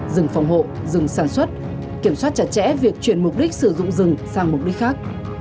rừng phòng hộ rừng sản xuất kiểm soát chặt chẽ việc chuyển mục đích sử dụng rừng sang mục đích khác